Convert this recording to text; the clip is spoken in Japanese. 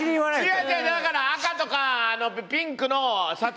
違う違うだから赤とかピンクの砂糖のお菓子。